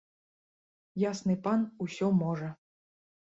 Ясны пан усё можа.